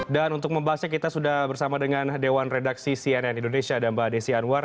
dan untuk membahasnya kita sudah bersama dengan dewan redaksi cnn indonesia dan mbak desi anwar